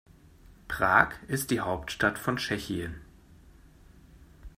Prag ist die Hauptstadt von Tschechien.